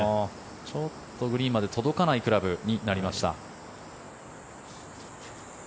ちょっとグリーンまで届かないクラブになりました。